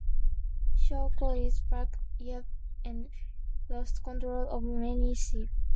Show collies barked, yelped and lost control of many sheep.